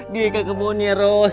dia kakek bonnya ros